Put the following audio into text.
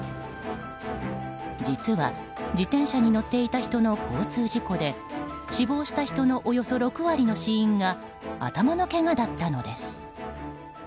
実は、自転車に乗っていた人の交通事故で死亡した人のおよそ６割の死因が頭のけがだったのです。